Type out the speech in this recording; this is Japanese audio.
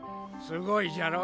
すごいじゃろ。